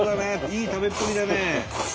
いい食べっぷりだね。